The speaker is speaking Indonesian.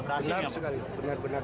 benar sekali benar benar